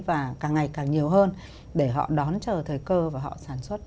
và càng ngày càng nhiều hơn để họ đón chờ thời cơ và họ sản xuất